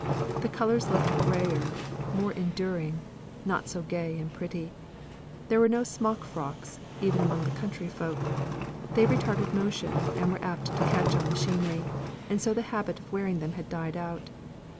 The colours looked grayer more enduring, not so gay and pretty. There were no smock frocks, even among the country folk; they retarded motion, and were apt to catch on machinery, and so the habit of wearing them had died out.